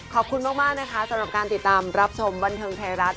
ขอบคุณมากนะคะสำหรับการติดตามรับชมบันเทิงไทยรัฐ